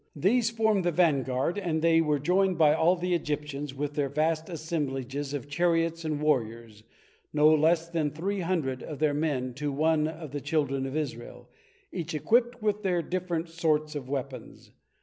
These formed the vanguard, and they were joined by all the Egyptians, with their vast assemblages of chariots and warriors, no less than three hundred of their men to one of the children of Israel, each equipped with their different sorts of weapons.